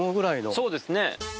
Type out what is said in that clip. そうですね。